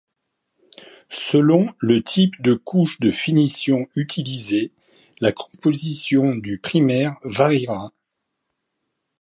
Selon le type de couche de finition utilisée, la composition du primaire variera.